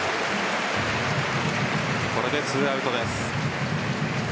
これで２アウトです。